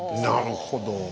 なるほど。